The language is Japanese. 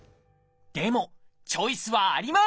でもチョイスはあります！